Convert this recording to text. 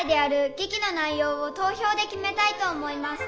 げきのないようをとうひょうできめたいと思います。